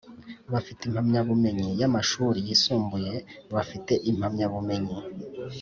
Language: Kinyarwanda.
Bafite impamyabumenyi y amashuri yisumbuye bafite impamyabumenyi